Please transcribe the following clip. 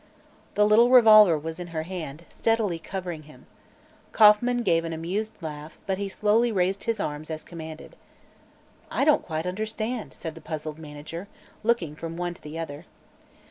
The little revolver was in her hand, steadily covering him. Kauffman gave an amused laugh, but he slowly raised his arms, as commanded. "I don't quite understand," said the puzzled manager, looking from one to the other.